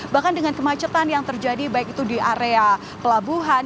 bahkan dengan kemacetan yang terjadi baik itu di area pelabuhan